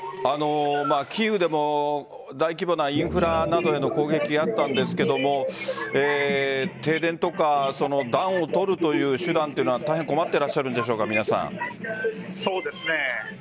キーウでも大規模なインフラなどへの攻撃があったんですが停電や暖を取るという手段は大変困っていらっしゃるんでしょうかそうですね